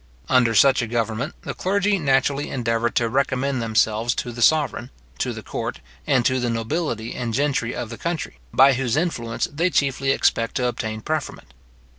Under such a government, the clergy naturally endeavour to recommend themselves to the sovereign, to the court, and to the nobility and gentry of the country, by whose influence they chiefly expect to obtain preferment.